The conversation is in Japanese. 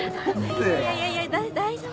いやいやいや大丈夫です。